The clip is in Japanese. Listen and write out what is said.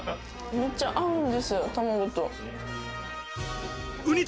めっちゃ合うんですよ、卵と。